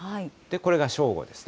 これが正午ですね。